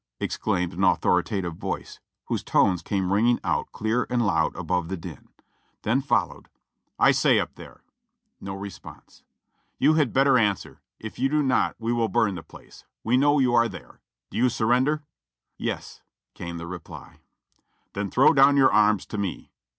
exclaimed an authoritative voice, whose tones came ringing out clear and loud above the din. Then followed : "I say up there !" No response. "You had better answer : if you do not we will burn the place. We know you are there. Do you surrender?" "Yes," came the reply. "Then throw down your arms to me."